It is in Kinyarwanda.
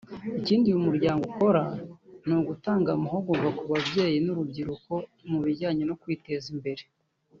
Ikindi uyu muryango ukora ni ugutanga amahugurwa ku babyeyi n’urubyiruko mu bijyanye no kwiteza imbere